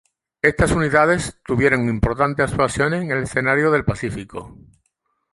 Estas unidades tuvieron importantes actuaciones en el escenario del Pacífico.